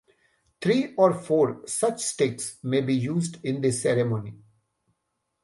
Three or four such sticks may be used in the ceremony.